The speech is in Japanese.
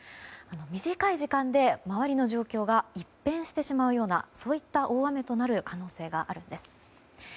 短い時間で周りの状況が一変してしまうようなそういった大雨となる可能性があるんです。